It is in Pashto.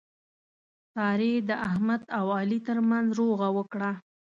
سارې د احمد او علي ترمنځ روغه وکړه.